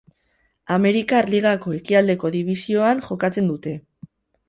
Amerikar Ligako Ekialdeko Dibisioan jokatzen dute.